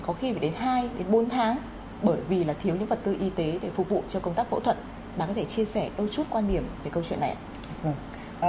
có khi phải đến hai đến bốn tháng bởi vì là thiếu những vật tư y tế để phục vụ cho công tác phẫu thuật bà có thể chia sẻ đôi chút quan điểm về câu chuyện này ạ